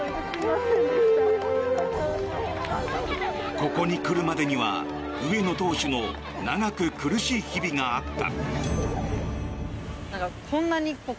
ここに来るまでには、上野投手の長く苦しい日々があった。